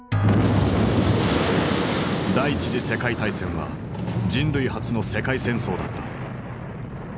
第一次世界大戦は人類初の世界戦争だった。